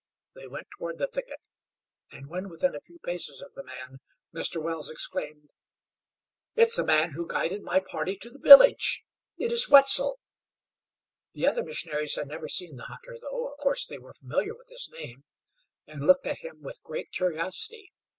They went toward the thicket, and when within a few paces of the man Mr. Wells exclaimed: "It's the man who guided my party to the village. It is Wetzel!" The other missionaries had never seen the hunter though, of course, they were familiar with his name, and looked at him with great curiosity.